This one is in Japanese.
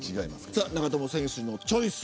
長友選手のチョイス。